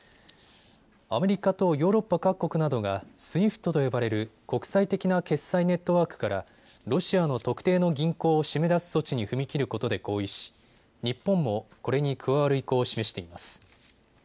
アメリカとヨーロッパ各国などがＳＷＩＦＴと呼ばれる国際的な決済ネットワークからロシアの特定の銀行を締め出す措置に踏み切ることで合意し日本も、これに加わる意向を示しています。